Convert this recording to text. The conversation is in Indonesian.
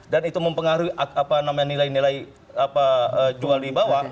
dan itu mempengaruhi nilai nilai jual di bawah